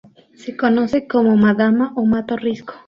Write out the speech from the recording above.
Se conoce como "madama" o "mato risco".